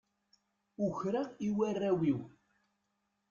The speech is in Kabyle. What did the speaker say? Ukreɣ i warraw-iw.